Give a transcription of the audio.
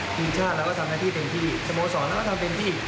จริงชาติเราก็ทำหน้าที่เป็นพี่สมมุติสองเราก็ทำเป็นพี่